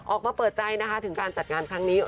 ออกมาเปิดใจนะคะถึงการจัดงานครั้งนี้